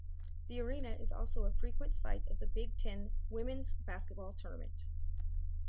The arena is also a frequent site of the Big Ten Women's Basketball Tournament.